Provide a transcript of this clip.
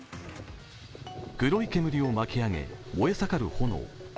黒い煙を巻き上げ、燃え盛る炎。